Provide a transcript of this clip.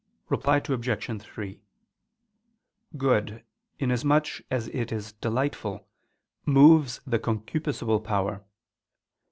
Reply Obj. 3: Good, inasmuch as it is delightful, moves the concupiscible power.